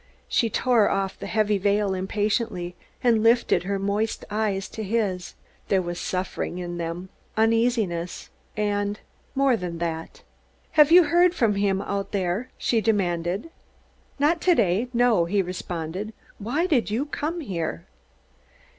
She tore off the heavy veil impatiently, and lifted her moist eyes to his. There was suffering in them, uneasiness and more than that. "Have you heard from him out there?" she demanded. "Not to day, no," he responded. "Why did you come here?"